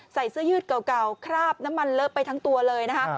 ใส่เสื้อยืดเก่าคราบน้ำมันเลอะไปทั้งตัวเลยนะคะ